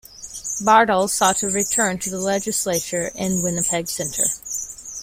Bardal sought a return to the legislature in Winnipeg Centre.